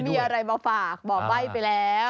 วันนี้มีอะไรมาฝากบอกไว้ไปแล้ว